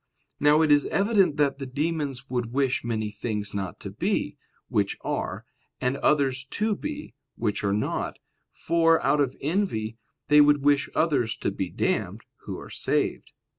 Now it is evident that the demons would wish many things not to be, which are, and others to be, which are not: for, out of envy, they would wish others to be damned, who are saved.